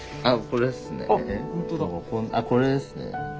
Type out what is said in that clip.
あこれですね。